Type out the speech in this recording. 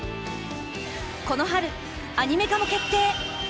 この春アニメ化も決定！